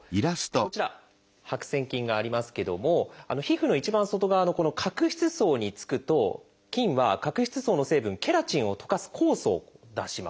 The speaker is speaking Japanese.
こちら白癬菌がありますけども皮膚の一番外側のこの角質層につくと菌は角質層の成分ケラチンを溶かす酵素を出します。